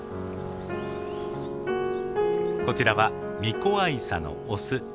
こちらはミコアイサのオス。